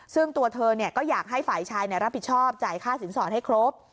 ซึ่งตัวเธอก็อยากให้ฝ่ายชายรับผิดชอบจ่ายค่าสินสอดให้ครบ